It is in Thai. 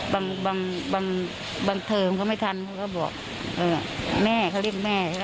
บางเทอมเขาไม่ทันเขาก็บอกเออแม่เขาเรียกแม่ใช่ไหม